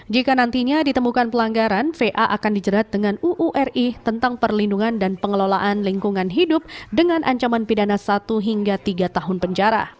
jika nantinya ditemukan pelanggaran va akan dijerat dengan uu ri tentang perlindungan dan pengelolaan lingkungan hidup dengan ancaman pidana satu hingga tiga tahun penjara